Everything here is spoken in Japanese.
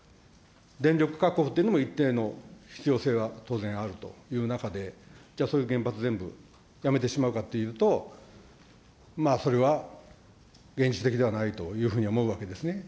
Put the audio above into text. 電力確保というのも、一定の必要性が当然あるという中で、じゃあ、そういう原発全部やめてしまうかというと、まあ、それは現実的ではないというふうに思うわけですね。